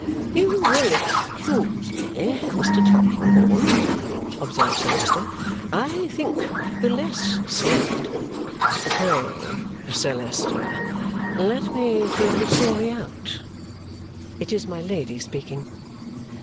"You will excuse me, Mr. Tulkinghorn," observes Sir Leicester. "I think the less said " "Pray, Sir Leicester, let me hear the story out" (it is my Lady speaking).